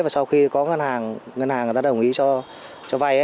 và sau khi có ngân hàng ngân hàng đã đồng ý cho vay